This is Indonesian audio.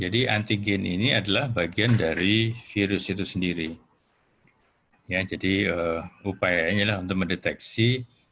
jadi antigen ini adalah bagian dari virus itu sendiri yang jadi upayanya untuk mendeteksi